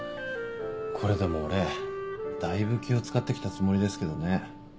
これでも俺だいぶ気を使って来たつもりですけどね。